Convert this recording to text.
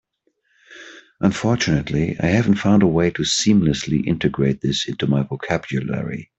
Unfortunately, I haven't found a way to seamlessly integrate this into my vocabulary.